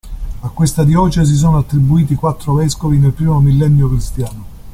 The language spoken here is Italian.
A questa diocesi sono attribuiti quattro vescovi nel primo millennio cristiano.